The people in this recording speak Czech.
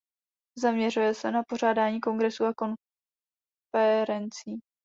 Zaměřuje se na pořádání kongresů a konferencí.